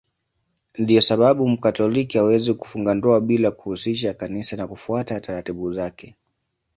Ndiyo sababu Mkatoliki hawezi kufunga ndoa bila ya kuhusisha Kanisa na kufuata taratibu zake.